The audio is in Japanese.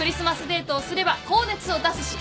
デートをすれば高熱を出すし。